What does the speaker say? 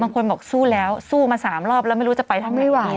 บางคนบอกสู้แล้วสู้มา๓รอบแล้วไม่รู้จะไปทั้งไม่ไหว